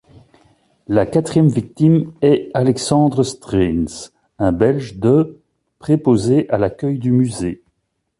La quatrième victime est Alexandre Strens, un Belge de préposé à l'accueil du musée.